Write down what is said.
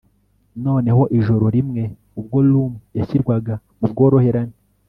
noneho ijoro rimwe ubwo rum yashyirwaga mu bworoherane